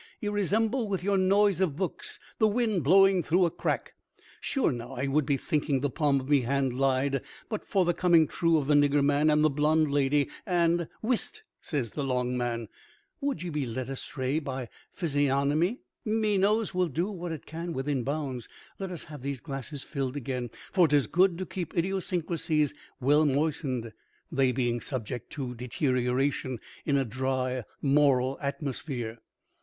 Ye resemble, with your noise of books, the wind blowing through a crack. Sure, now, I would be thinking the palm of me hand lied but for the coming true of the nigger man and the blonde lady and—" "Whist!" says the long man; "would ye be led astray by physiognomy? Me nose will do what it can within bounds. Let us have these glasses filled again, for 'tis good to keep idiosyncrasies well moistened, they being subject to deterioration in a dry moral atmosphere."